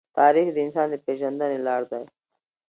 تاریخ د انسان د پېژندنې لار دی.